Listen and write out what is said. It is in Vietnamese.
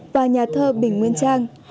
và nhà thơ bình nguyên trang